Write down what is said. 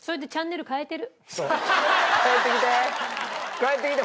帰ってきて！